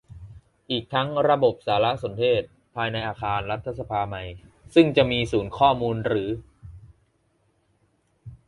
อีกทั้งระบบสารสนเทศภายในอาคารรัฐสภาใหม่ซึ่งจะมีศูนย์ข้อมูลหรือ